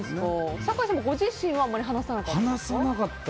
酒井さんもご自身はあまり話さなかった？